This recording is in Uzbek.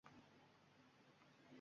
Ular nechogʻlik boshqacha?